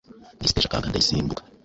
Mu isi iteje akaga ndasimbuka;